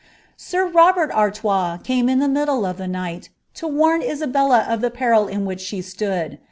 *" Sir Robert Artois came in the middle of the nighl lo want liabelk of the |>eril in which she stood.